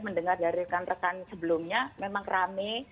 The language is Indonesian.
mendengar dari rekan rekan sebelumnya memang rame